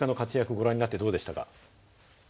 ご覧になってどうでしたか？